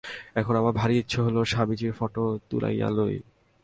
এখন আমার ভারি ইচ্ছা হইল, স্বামীজীর ফটো তুলিয়া লই।